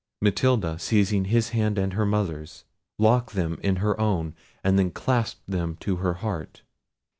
Matilda, seizing his hand and her mother's, locked them in her own, and then clasped them to her heart.